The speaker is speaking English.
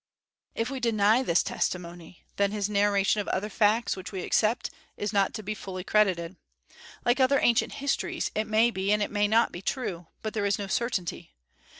If we deny this testimony, then his narration of other facts, which we accept, is not to be fully credited; like other ancient histories, it may be and it may not be true, but there is no certainty.